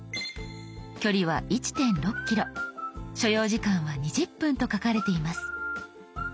距離は１．６ｋｍ所要時間は２０分と書かれています。